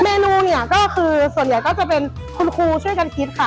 เมนูเนี่ยก็คือส่วนใหญ่ก็จะเป็นคุณครูช่วยกันคิดค่ะ